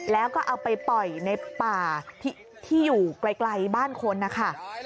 แล้วก็เอาไปปล่อยในป่าที่อยู่ไกลบ้านคนนะคะ